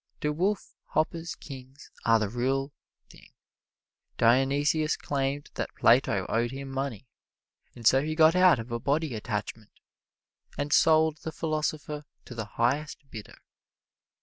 De Wolf Hopper's kings are the real thing. Dionysius claimed that Plato owed him money, and so he got out a body attachment, and sold the philosopher to the highest bidder.